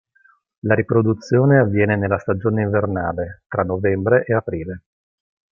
La riproduzione avviene nella stagione invernale, tra novembre e aprile.